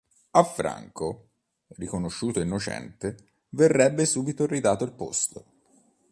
A Franco, riconosciuto innocente, verrebbe subito ridato il posto.